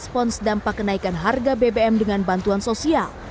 pemerintah hanya merespons dampak kenaikan harga bbm dengan bantuan sosial